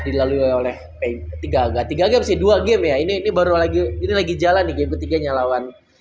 dilalui oleh tiga game sih dua game ya ini baru lagi ini lagi jalan nih game ketiganya lawan